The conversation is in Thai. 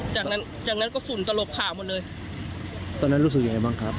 จากนั้นจากนั้นก็ฝุ่นตลกผ่าหมดเลยตอนนั้นรู้สึกยังไงบ้างครับ